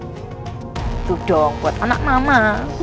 hidup dong buat anak mama